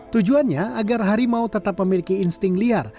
tujuannya agar harimau tetap memiliki insting liar